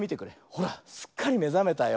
ほらすっかりめざめたよ。